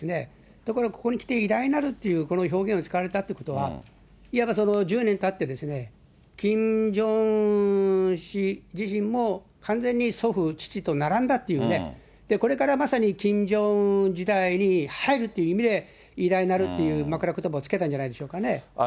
ところが、ここに来て偉大なるっていうこの表現が使われたということは、いわば１０年たって、キム・ジョンウン氏自身も、完全に祖父、父と並んだっていうね、これからまさにキム・ジョンウン時代に入るという意味で、偉大なるっていう枕ことばを付けたんじゃないでしょうかね。